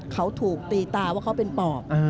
เขาถูกตีตาว่าเขาเป็นปอบ